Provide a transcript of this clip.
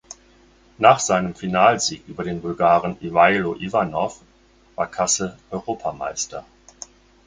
Nach seinem Finalsieg über den Bulgaren Iwajlo Iwanow war Casse Europameister.